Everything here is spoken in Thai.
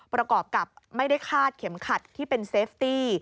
ประกอบกับไม่ได้คาดเข็มขัดที่เป็นเซฟตี้